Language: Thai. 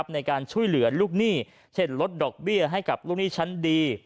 ในการช่วยเหลือลูกหนี้เช่นลดดอกเบี้ยให้กับลูกหนี้ชั้นดี